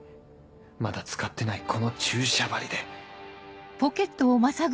まだ使ってないこの注射針で